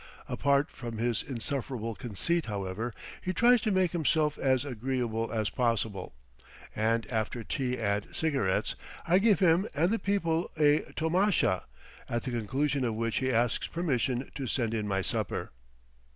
Apart from his insufferable conceit, however, he tries to make himself as agreeable as possible, and after tea and cigarettes, I give him and the people a tomasha, at the conclusion of which he asks permission to send in my supper.